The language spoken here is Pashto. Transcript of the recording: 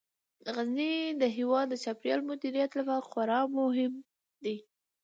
غزني د هیواد د چاپیریال د مدیریت لپاره خورا مهم دی.